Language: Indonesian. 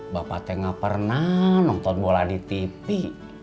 bapak teh nggak pernah nonton bola di tipi